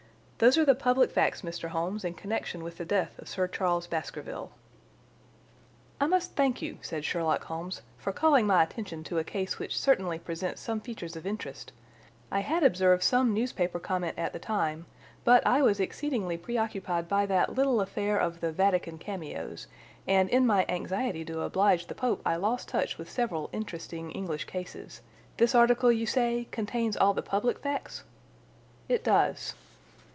"Those are the public facts, Mr. Holmes, in connection with the death of Sir Charles Baskerville." "I must thank you," said Sherlock Holmes, "for calling my attention to a case which certainly presents some features of interest. I had observed some newspaper comment at the time, but I was exceedingly preoccupied by that little affair of the Vatican cameos, and in my anxiety to oblige the Pope I lost touch with several interesting English cases. This article, you say, contains all the public facts?" "It does."